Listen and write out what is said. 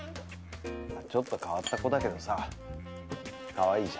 ちょっと変わった子だけどさ可愛いじゃん。